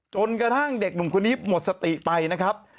จนกระทั่งเด็กหนุ่มคนนี้หมดสติไปนะครับ